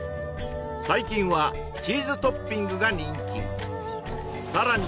最近はチーズトッピングが人気さらに